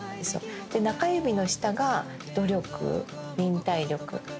中指の下が努力忍耐力。